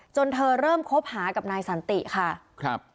จนเธอเริ่มคบหากับนายสันติค่ะ